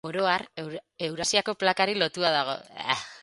Oro har, Eurasiako plakari lotua dago.